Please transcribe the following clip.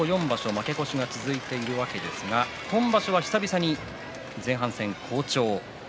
負け越しが続いているわけですが今場所は久々に前半戦好調。